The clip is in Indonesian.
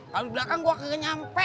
kalau di belakang gua kagak nyampe